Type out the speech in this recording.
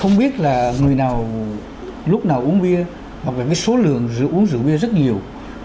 không biết là người nào lúc nào uống bia hoặc là cái số lượng uống rượu bia rất nhiều